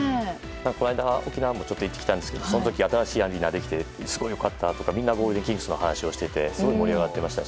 この間、沖縄にちょっと行ってきたんですけどその時に新しいアリーナができてすごいよかったとかキングスの話をしていてすごく盛り上がっていました。